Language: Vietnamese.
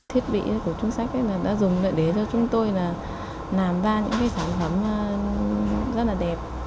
thiết bị của trung sách đã dùng để cho chúng tôi là làm ra những sản phẩm rất là đẹp